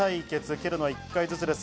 蹴るのは１回ずつです。